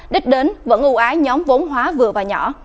đích đến vẫn ưu ái nhóm vốn hóa vừa và nhỏ